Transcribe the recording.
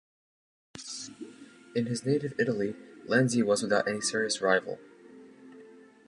In his native Italy Lanzi was without any serious rival.